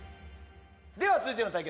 では続いての対決